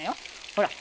ほら。